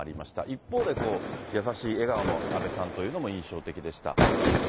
一方で優しい笑顔の安倍さんというのも印象的でした。